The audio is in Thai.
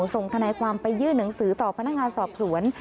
ทนายความไปยื่นหนังสือต่อพนักงานสอบสวน